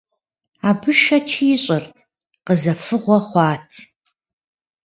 Абы шэч ишӏырт, къызэфыгъуэ хъуат.